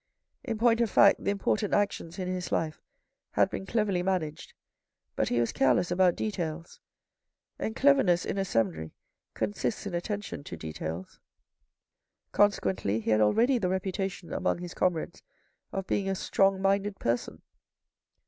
In point of fact the important actions in his life had been cleverly managed, but he was careless about details, and cleverness in a seminary consists in attention to details. Consequently, he had already the reputation among his comrades of being a strong minded person.